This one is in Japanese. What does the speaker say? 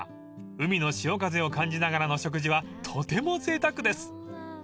［海の潮風を感じながらの食事はとてもぜいたくです］